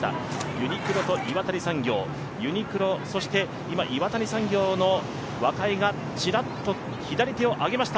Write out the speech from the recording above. ユニクロと岩谷産業、ユニクロ、そして今、岩谷産業の若井がちらっと左手を挙げました。